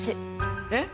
えっ？